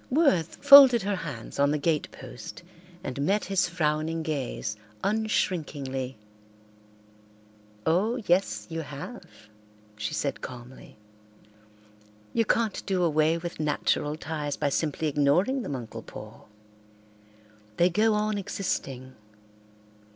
Worth folded her hands on the gatepost and met his frowning gaze unshrinkingly. "Oh, yes, you have," she said calmly. "You can't do away with natural ties by simply ignoring them, Uncle Paul. They go on existing.